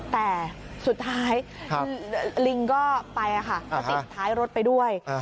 แต่สุดท้ายคือลิงก็ไปค่ะก็ติดท้ายรถไปด้วย